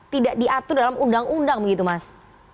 tidak diatur dalam undang undang begitu mas